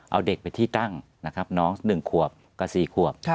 เอาเด็กไปที่ตั้งนะครับน้องหนึ่งขวบก็สี่ขวบ